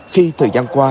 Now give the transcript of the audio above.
khi thời gian qua